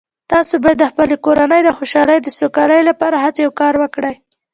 تاسو باید د خپلې کورنۍ د خوشحالۍ او سوکالۍ لپاره هڅې او کار وکړئ